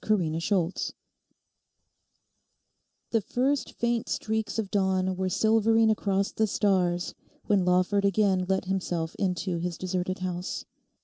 CHAPTER SIXTEEN The first faint streaks of dawn were silvering across the stars when Lawford again let himself into his deserted house.